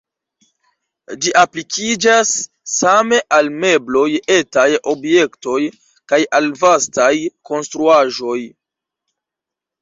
Ĝi aplikiĝas same al mebloj, etaj objektoj, kaj al vastaj konstruaĵoj.